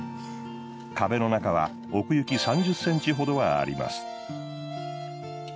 壁の中は奥行き３０センチほどはあります。